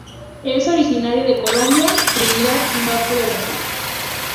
Es originario de Colombia, Trinidad y norte de Brasil.